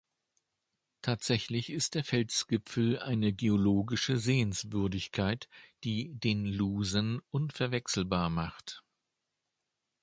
Tatsächlich ist der Felsgipfel eine geologische Sehenswürdigkeit, die den Lusen unverwechselbar macht.